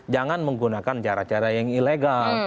jangan menggunakan cara cara yang ilegal